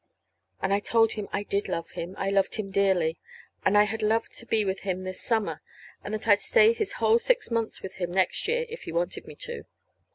And I told him I did love him, I loved him dearly, and I had loved to be with him this summer, and that I'd stay his whole six months with him next year if he wanted me to.